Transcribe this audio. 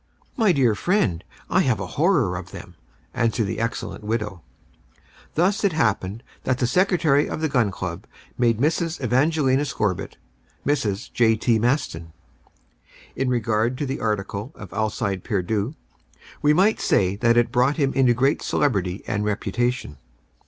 "My dear friend, I have a horror of them," answered the excellent widow. Thus it happened that the Secretary of the Gun Club made Mrs. Evangelina Scorbitt Mrs. J. T. Maston. In regard to the article of Alcide Pierdeux, we might say that it brought him into great celebrity and reputation.